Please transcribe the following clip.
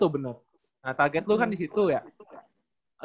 nah target lo kan di situ ya